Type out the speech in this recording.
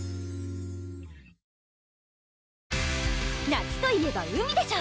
夏といえば海でしょ！